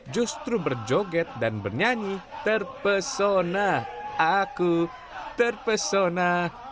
justru berjoget dan bernyanyi terpesona aku terpesona